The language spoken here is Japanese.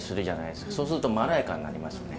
そうするとまろやかになりますよね